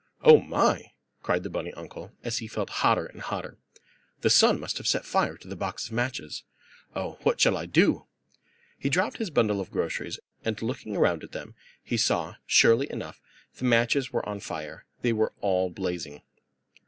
"Oh, my!" cried the bunny uncle, as he felt hotter and hotter, "The sun must have set fire to the box of matches. Oh, what shall I do?" He dropped his bundle of groceries, and looking around at them he saw, surely enough, the matches were on fire. They were all blazing.